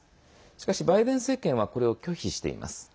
しかし、バイデン政権はこれを拒否しています。